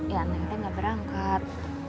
ya neng teh gak berangkat